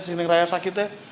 sini raya sakit teh